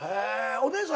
お姉さん